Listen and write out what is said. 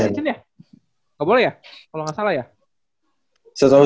enggak boleh ya kalau enggak salah ya